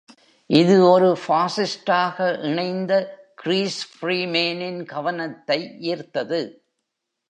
இது ஒரு பாஸிஸ்டாக இணைந்த கிறிஸ் ஃப்ரீமேனின் கவனத்தை ஈர்த்தது.